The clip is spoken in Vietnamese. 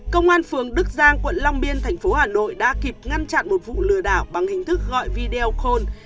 công an phường đức giang quận long biên thành phố hà nội đã kịp ngăn chặn một vụ lừa đảo bằng hình thức gọi video call